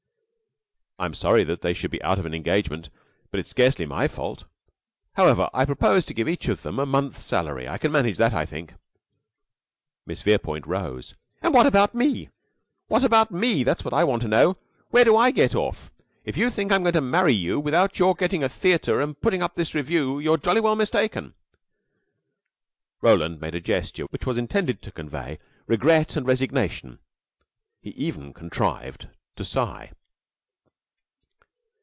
"I'm sorry that they should be out of an engagement, but it is scarcely my fault. However, I propose to give each of them a month's salary. I can manage that, I think." Miss Verepoint rose. "And what about me? What about me, that's what I want to know. Where do I get off? If you think I'm going to marry you without your getting a theater and putting up this revue you're jolly well mistaken." Roland made a gesture which was intended to convey regret and resignation. He even contrived to sigh.